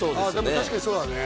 でも確かにそうだね